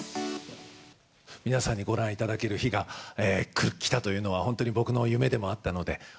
皆さんにご覧いただける日が来たというのは、本当に僕の夢でもあったので。